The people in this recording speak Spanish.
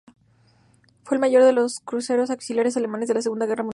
Fue el mayor de los cruceros auxiliares alemanes en la Segunda Guerra Mundial.